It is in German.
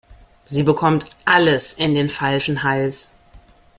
Sie bekommt alles in den falschen Hals.